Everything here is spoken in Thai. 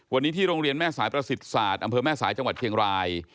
วันนี้ที่โรงเรียนแม่สายประสิทธิ์ศาสตร์อำเภอแม่สายจังหวัดเชียงราย